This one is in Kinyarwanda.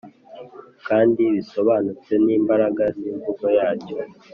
kandi bisobanutse n'imbaraga z'imvugo yacyo.